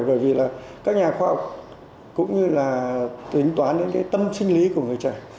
bởi vì các nhà khoa học cũng như là tính toán đến tâm sinh lý của người trẻ